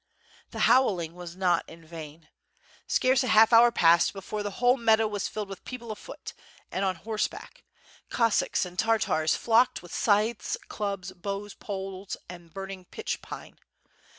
The howling was not in vain. Scarce a half hour passed be fore the whole meadow was filled with people afoot and on horseback. Cossacks an 1 Tartars flocked with scythes, clubs, bows, poles, and burning pitch pine.